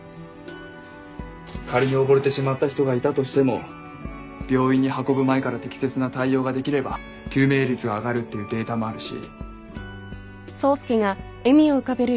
仮に溺れてしまった人がいたとしても病院に運ぶ前から適切な対応ができれば救命率が上がるっていうデータもあるし。